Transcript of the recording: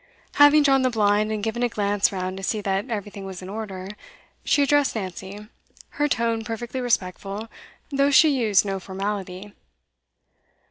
Having drawn the blind, and given a glance round to see that everything was in order, she addressed Nancy, her tone perfectly respectful, though she used no formality.